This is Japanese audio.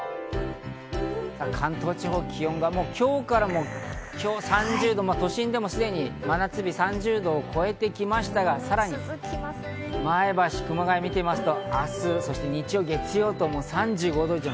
関東地方、気温が今日から今日３０度、都心でもすでに真夏日、３０度を超えてきましたが、前橋、熊谷を見てみますと明日、日曜、月曜と３５度以上。